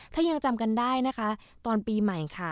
ถ้ายังจำกันได้นะคะตอนปีใหม่ค่ะ